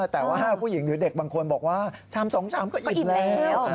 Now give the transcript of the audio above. แต่ว่าผู้หญิงหรือเด็กบางคนบอกว่าชาม๒ชามก็อิ่มแล้ว